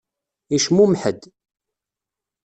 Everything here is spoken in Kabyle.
Yecmumeḥ-d.